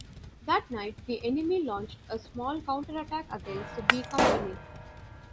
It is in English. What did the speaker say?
That night the enemy launched a small counterattack against "B" Company.